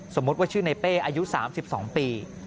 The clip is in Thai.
สมมุติว่าชื่อในเป้อายุ๓๒ปี